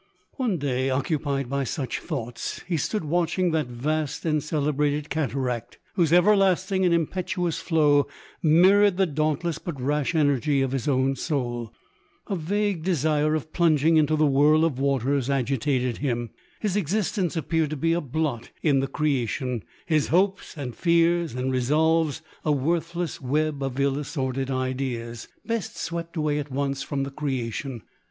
One day, occupied by such thoughts, he stood watching that vast and celebrated cataract, whose everlasting and impetuous flow mirrored the dauntless but rash energy of his own soul. A vague desire of plunging into the whirl of waters agitated him. His existence appeared to be a blot in the creation ; his hopes, and fears, and resolves, a worthless web of ill assorted ideas, LODORE. 231 best swept away at once from the creation.